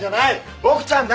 ボクちゃんだ！